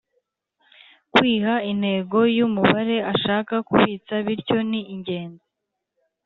kwiha intego y’umubare ashaka kubitsa bityo ni ingenzi